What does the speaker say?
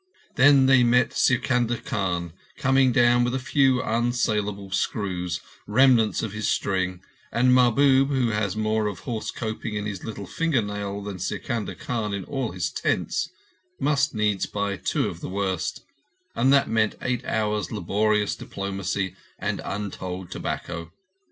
Then they met Sikandar Khan coming down with a few unsaleable screws—remnants of his string—and Mahbub, who has more of horse coping in his little fingernail than Sikandar Khan in all his tents, must needs buy two of the worst, and that meant eight hours' laborious diplomacy and untold tobacco.